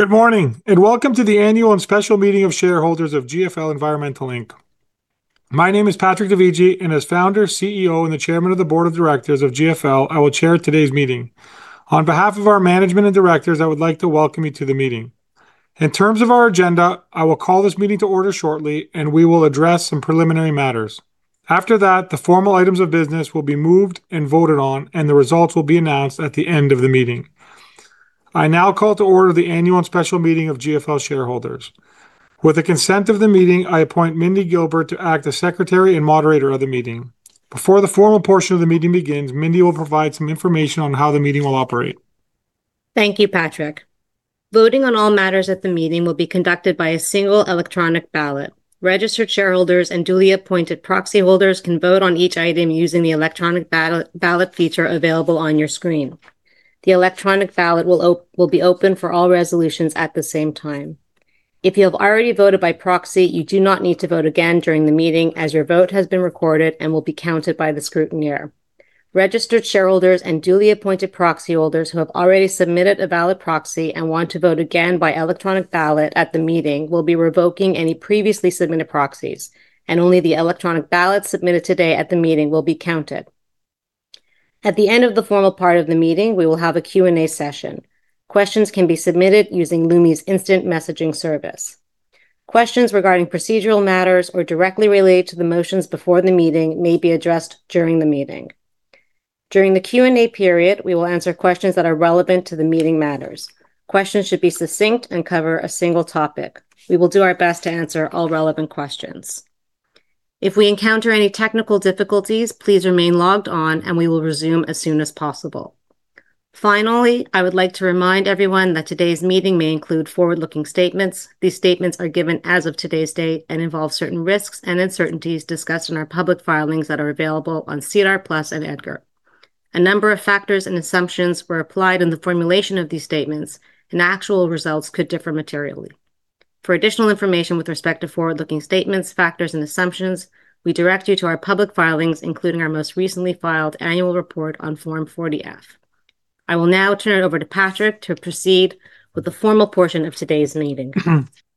Good morning, welcome to the annual and special meeting of shareholders of GFL Environmental Inc. My name is Patrick Dovigi, and as Founder, CEO, and the Chairman of the Board of Directors of GFL, I will chair today's meeting. On behalf of our management and directors, I would like to welcome you to the meeting. In terms of our agenda, I will call this meeting to order shortly, and we will address some preliminary matters. After that, the formal items of business will be moved and voted on, and the results will be announced at the end of the meeting. I now call to order the annual and special meeting of GFL shareholders. With the consent of the meeting, I appoint Mindy Gilbert to act as Secretary and Moderator of the meeting. Before the formal portion of the meeting begins, Mindy will provide some information on how the meeting will operate. Thank you, Patrick. Voting on all matters at the meeting will be conducted by a single electronic ballot. Registered shareholders and duly appointed proxy holders can vote on each item using the electronic ballot feature available on your screen. The electronic ballot will be open for all resolutions at the same time. If you have already voted by proxy, you do not need to vote again during the meeting as your vote has been recorded and will be counted by the scrutineer. Registered shareholders and duly appointed proxy holders who have already submitted a valid proxy and want to vote again by electronic ballot at the meeting will be revoking any previously submitted proxies, and only the electronic ballot submitted today at the meeting will be counted. At the end of the formal part of the meeting, we will have a Q&A session. Questions can be submitted using Lumi's instant messaging service. Questions regarding procedural matters or directly related to the motions before the meeting may be addressed during the meeting. During the Q&A period, we will answer questions that are relevant to the meeting matters. Questions should be succinct and cover a single topic. We will do our best to answer all relevant questions. If we encounter any technical difficulties, please remain logged on, and we will resume as soon as possible. Finally, I would like to remind everyone that today's meeting may include forward-looking statements. These statements are given as of today's date and involve certain risks and uncertainties discussed in our public filings that are available on SEDAR+ and EDGAR. A number of factors and assumptions were applied in the formulation of these statements, and actual results could differ materially. For additional information with respect to forward-looking statements, factors, and assumptions, we direct you to our public filings, including our most recently filed annual report on Form 40-F. I will now turn it over to Patrick to proceed with the formal portion of today's meeting.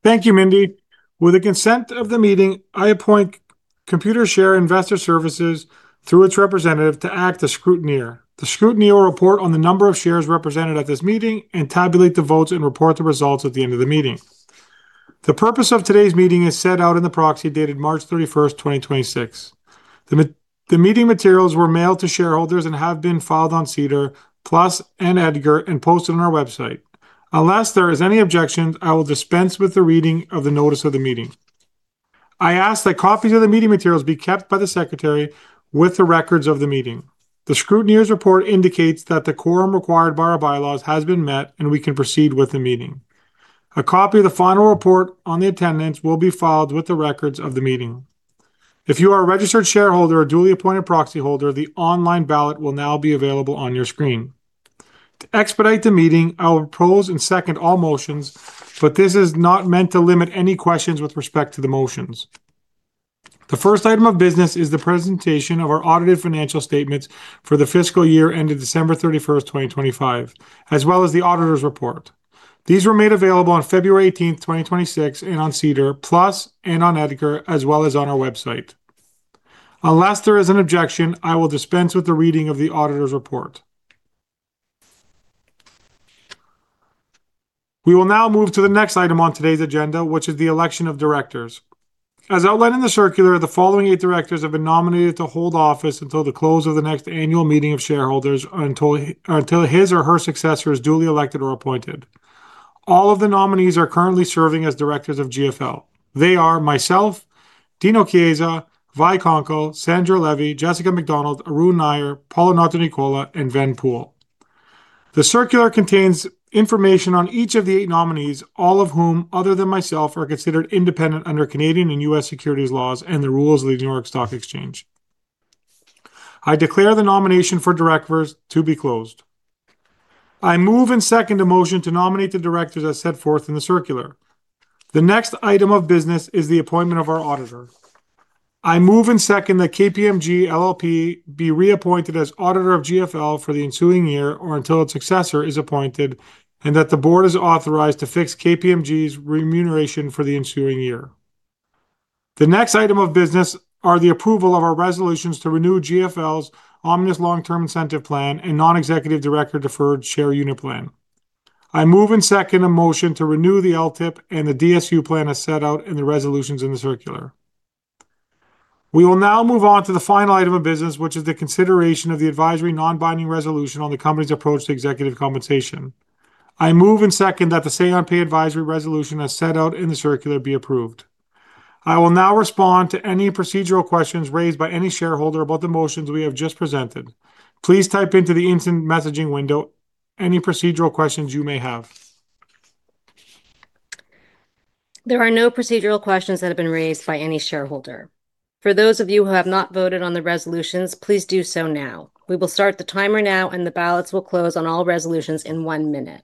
Thank you, Mindy. With the consent of the meeting, I appoint Computershare Investor Services through its representative to act as scrutineer. The scrutineer will report on the number of shares represented at this meeting and tabulate the votes and report the results at the end of the meeting. The purpose of today's meeting is set out in the proxy dated March 31st, 2026. The meeting materials were mailed to shareholders and have been filed on SEDAR+ and EDGAR and posted on our website. Unless there is any objections, I will dispense with the reading of the notice of the meeting. I ask that copies of the meeting materials be kept by the secretary with the records of the meeting. The scrutineer's report indicates that the quorum required by our bylaws has been met. We can proceed with the meeting. A copy of the final report on the attendance will be filed with the records of the meeting. If you are a registered shareholder or duly appointed proxy holder, the online ballot will now be available on your screen. To expedite the meeting, I will propose and second all motions, but this is not meant to limit any questions with respect to the motions. The first item of business is the presentation of our audited financial statements for the fiscal year ended December 31st, 2025, as well as the auditor's report. These were made available on February 18th, 2026 and on SEDAR+ and on EDGAR, as well as on our website. Unless there is an objection, I will dispense with the reading of the auditor's report. We will now move to the next item on today's agenda, which is the election of directors. As outlined in the circular, the following eight directors have been nominated to hold office until the close of the next annual meeting of shareholders until his or her successor is duly elected or appointed. All of the nominees are currently serving as directors of GFL. They are myself, Dino Chiesa, Violet Konkle, Sandra Levy, Jessica McDonald, Arun Nayar, Paolo Notarnicola, and Ven Poole. The circular contains information on each of the eight nominees, all of whom, other than myself, are considered independent under Canadian and U.S. securities laws and the rules of the New York Stock Exchange. I declare the nomination for directors to be closed. I move and second the motion to nominate the directors as set forth in the circular. The next item of business is the appointment of our auditor. I move and second that KPMG LLP be reappointed as auditor of GFL for the ensuing year or until its successor is appointed and that the board is authorized to fix KPMG's remuneration for the ensuing year. The next item of business are the approval of our resolutions to renew GFL's omnibus long-term incentive plan and non-executive director deferred share unit plan. I move and second a motion to renew the LTIP and the DSU plan as set out in the resolutions in the circular. We will now move on to the final item of business, which is the consideration of the advisory non-binding resolution on the company's approach to executive compensation. I move and second that the say on pay advisory resolution as set out in the circular be approved. I will now respond to any procedural questions raised by any shareholder about the motions we have just presented. Please type into the instant messaging window any procedural questions you may have. There are no procedural questions that have been raised by any shareholder. For those of you who have not voted on the resolutions, please do so now. We will start the timer now, and the ballots will close on all resolutions in one minute.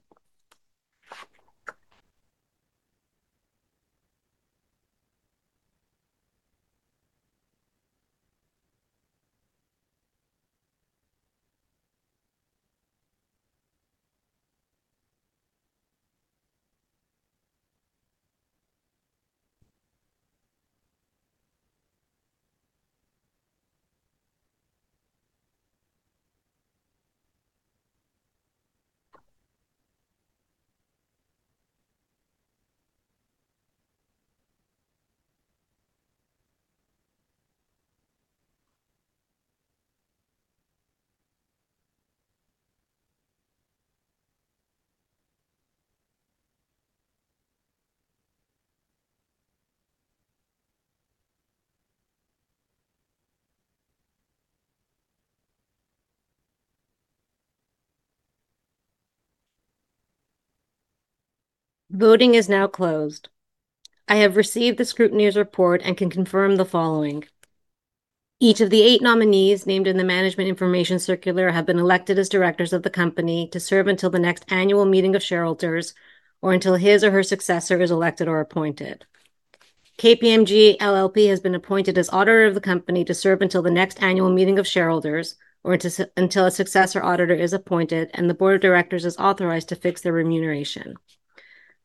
Voting is now closed. I have received the scrutineer's report and can confirm the following. Each of the eight nominees named in the management information circular have been elected as directors of the company to serve until the next annual meeting of shareholders or until his or her successor is elected or appointed. KPMG LLP has been appointed as auditor of the company to serve until the next annual meeting of shareholders or until a successor auditor is appointed and the board of directors is authorized to fix their remuneration.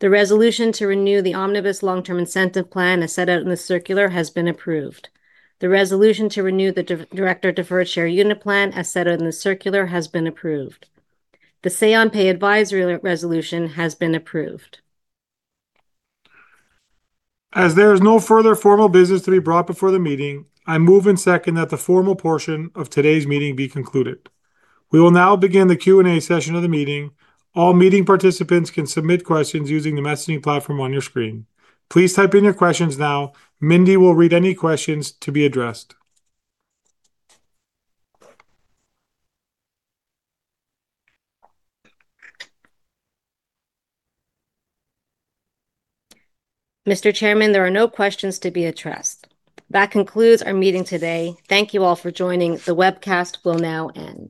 The resolution to renew the omnibus long-term incentive plan as set out in the circular has been approved. The resolution to renew the director deferred share unit plan as set out in the circular has been approved. The say on pay advisory resolution has been approved. As there is no further formal business to be brought before the meeting, I move and second that the formal portion of today's meeting be concluded. We will now begin the Q&A session of the meeting. All meeting participants can submit questions using the messaging platform on your screen. Please type in your questions now. Mindy will read any questions to be addressed. Mr. Chairman, there are no questions to be addressed. That concludes our meeting today. Thank you all for joining. The webcast will now end.